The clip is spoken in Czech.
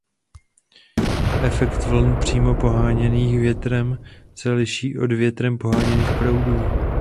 Efekt vln přímo poháněných větrem se liší od větrem poháněných proudů.